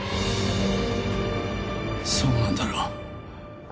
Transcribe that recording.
そうなんだろ？